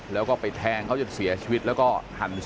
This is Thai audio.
แล้วก็ไปแทงเขาจนเสียชีวิตแล้วก็หัน